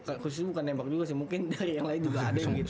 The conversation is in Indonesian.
khususnya bukan nembak juga sih mungkin dari yang lain juga ada yang gitu